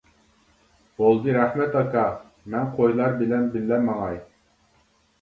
-بولدى رەھمەت ئاكا، مەن قويلار بىلەن بىللە ماڭاي.